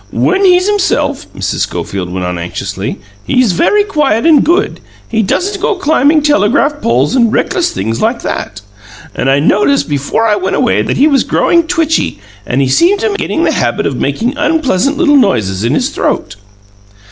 "When he's himself," Mrs. Schofield went on anxiously, "he's very quiet and good; he doesn't go climbing telegraph poles and reckless things like that. And I noticed before I went away that he was growing twitchy, and seemed to be getting the habit of making unpleasant little noises in his throat."